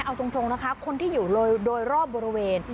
เอาตรงนะคะคนที่อยู่โดยรอบบริเวณ